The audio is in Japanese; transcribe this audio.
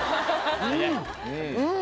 うん！